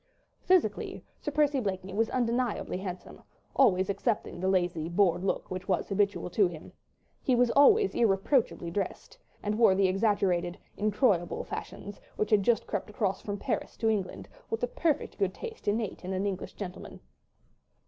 Physically, Sir Percy Blakeney was undeniably handsome—always excepting the lazy, bored look which was habitual to him. He was always irreproachably dressed, and wore the exaggerated "Incroyable" fashions, which had just crept across from Paris to England, with the perfect good taste innate in an English gentleman.